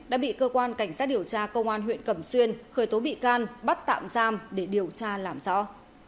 đã bị cơ quan cảnh sát điều tra công an huyện cẩm xuyên khởi tố bị can bắt tạm giam để điều tra làm rõ